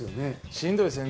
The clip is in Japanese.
しんどいですね。